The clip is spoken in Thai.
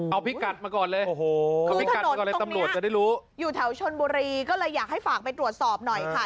เอาพี่กัดมาก่อนเลยทำโหลดจะได้รู้อยู่แถวชนบุรีก็เลยอยากให้ฝากไปตรวจสอบหน่อยค่ะ